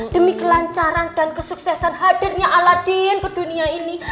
demi kelancaran dan kesuksesan hadirnya aladin ke dunia ini